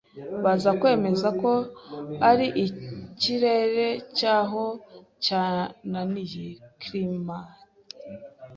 baza kwemeza ko ari ikirere cy’aho cyananiye (climate),